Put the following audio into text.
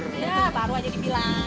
iya baru aja dibilang